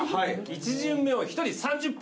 １巡目を１人３０分！